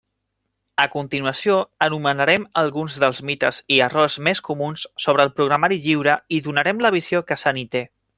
A continuació enumerarem alguns dels mites i errors més comuns sobre el programari lliure i donarem la visió que se n'hi té.